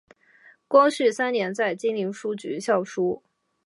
光绪三年在金陵书局校书。